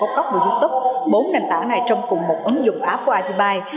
gococ và youtube bốn nền tảng này trong cùng một ứng dụng app của azibay